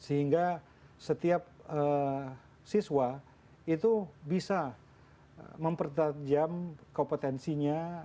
sehingga setiap siswa itu bisa mempertajam kompetensinya